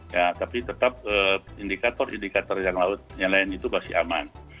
ya tapi tetap indikator indikator yang lain itu pasti aman